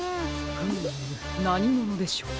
フームなにものでしょう。